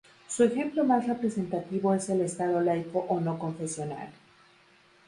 Su ejemplo más representativo es el "Estado laico" o "no confesional".